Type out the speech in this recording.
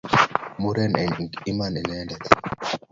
Muren eng' iman inendet.